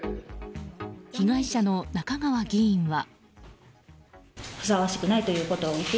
被害者の中川議員は。